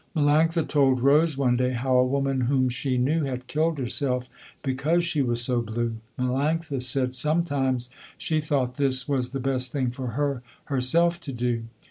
Melanctha told Rose one day how a woman whom she knew had killed herself because she was so blue. Melanctha said, sometimes, she thought this was the best thing for her herself to do.